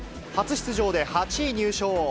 初出場で８位入賞。